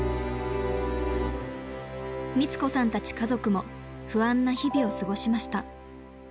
ミツ子さんたち家族も不安な日々を過ごしました。